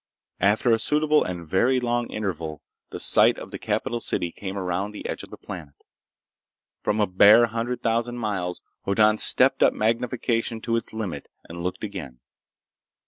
After a suitable and very long interval, the site of the capital city came around the edge of the planet. From a bare hundred thousand miles, Hoddan stepped up magnification to its limit and looked again.